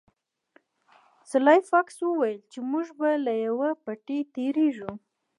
سلای فاکس وویل چې موږ به له یوه پټي تیریږو